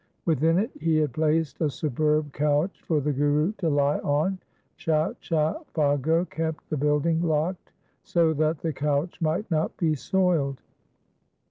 Within it he had placed a superb couch for the Guru to lie on. Chacha Phaggo kept the building locked so that the couch might not be soiled.